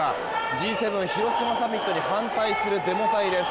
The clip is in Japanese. Ｇ７広島サミットに反対するデモ隊です。